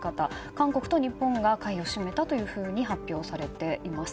韓国と日本が買いを占めたと発表されています。